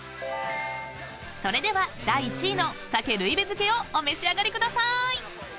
［それでは第１位の鮭ルイベ漬をお召し上がりくださーい！］